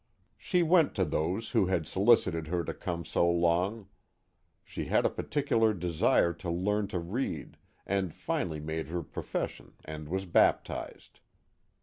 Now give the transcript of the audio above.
She went to those who had solicited her to come so long. She had a particular desire to learn to read and finally made her profession and was baptized.